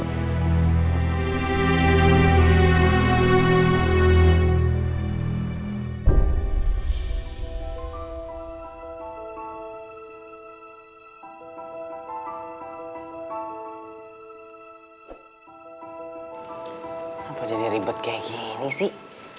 aku jadi ribet kayak gini sih